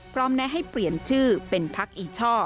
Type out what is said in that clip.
แนะให้เปลี่ยนชื่อเป็นพักอีช่อ